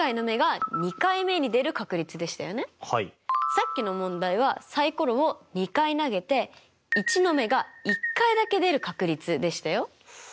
さっきの問題はサイコロを２回投げて１の目が１回だけ出る確率でしたよ。